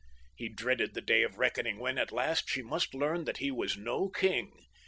He dreaded the day of reckoning when, at last, she must learn that he was no king.